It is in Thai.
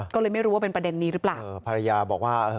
ก็เลยไม่รู้ว่าเป็นประเด็นนี้หรือเปล่าเออภรรยาบอกว่าเออ